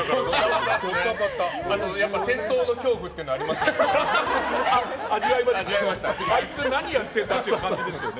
先頭の恐怖ってありますよね。